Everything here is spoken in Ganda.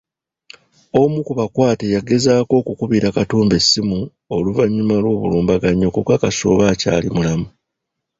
Omu ku bakwate yagezaako okukubira Katumba essimu oluvannyuma lw’obulumbaganyi okukakasa oba akyali mulamu.